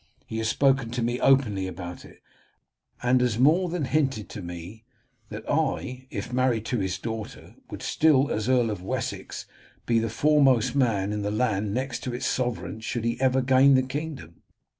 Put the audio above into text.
He has spoken to me openly about it, and has more than hinted to me that I, if married to his daughter, would still, as Earl of Wessex, be the foremost man in the land next to its sovereign should he ever gain the kingdom."